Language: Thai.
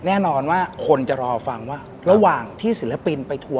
แน่นอนว่าคนจะรอฟังว่า